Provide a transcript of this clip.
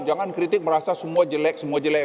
jangan kritik merasa semua jelek semua jelek